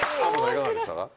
いかがでしたか？